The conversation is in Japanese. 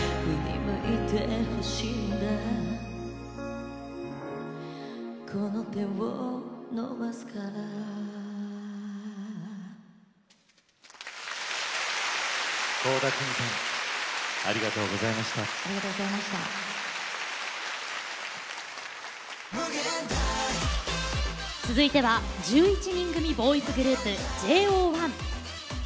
「無限大」続いては１１人組ボーイズグループ ＪＯ１。